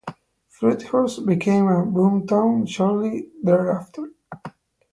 Fruithurst became a boomtown shortly thereafter.